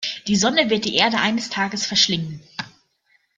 Die Sonne wird die Erde eines Tages verschlingen.